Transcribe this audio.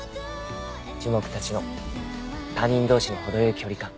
樹木たちの他人同士の程良い距離感。